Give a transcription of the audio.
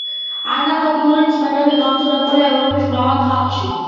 ანალოგიური რწმენები გავრცელებულია ევროპის მრავალ ხალხში.